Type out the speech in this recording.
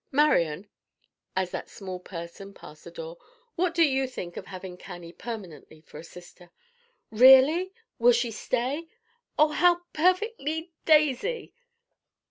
Marian," as that small person passed the door, "what do you think of having Cannie permanently for a sister?" "Really! Will she stay? Oh, how perfectly daisy!"